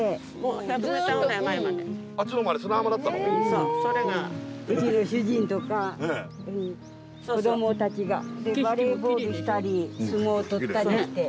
うちの主人とか子どもたちがバレーボールしたり相撲を取ったりして。